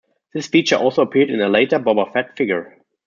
This feature also appeared in a later Boba Fett figure.